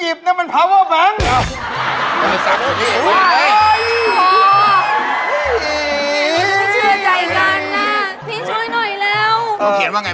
พี่ช่วยหน่อยแล้วลองเขียนว่าไงพี่ตี